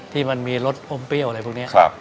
ที่มันมีรส้มเปรี้ยวอะไรพวกนี้